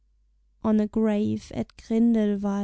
ON A GRAVE AT GRINDELWALD.